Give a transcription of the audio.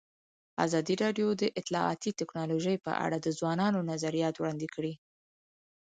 ازادي راډیو د اطلاعاتی تکنالوژي په اړه د ځوانانو نظریات وړاندې کړي.